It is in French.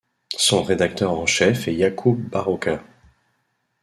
Son rédacteur en chef est Yakup Barokas.